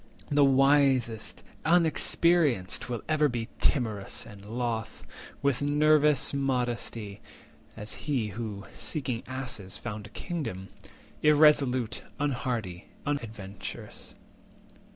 The wisest, unexperienced, will be ever 240 Timorous, and loth, with novice modesty (As he who, seeking asses, found a kingdom) Irresolute, unhardy, unadventrous.